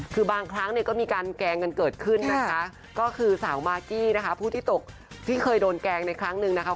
คือบางครั้งเนี่ยก็มีการแกล้งกันเกิดขึ้นนะคะก็คือสาวมากกี้นะคะผู้ที่ตกที่เคยโดนแกล้งในครั้งหนึ่งนะคะ